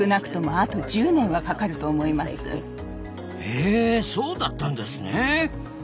へえそうだったんですね。